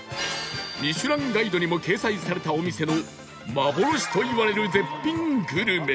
『ミシュランガイド』にも掲載されたお店の幻といわれる絶品グルメ